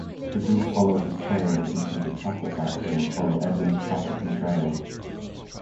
The group follow his trail into the chocolate factory and follows Edwin's chocolatey trail.